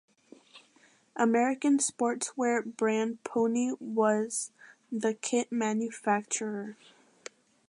American sportswear brand Pony was the kit manufacturer.